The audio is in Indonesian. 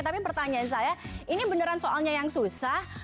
tapi pertanyaan saya ini beneran soalnya yang susah